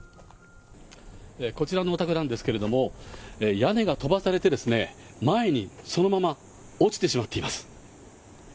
こちらのお宅なんですけれども、屋根が飛ばされてですね、前にそのまま落ちてしまっています。